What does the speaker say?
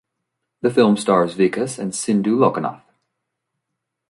The film stars Vikas and Sindhu Lokanath.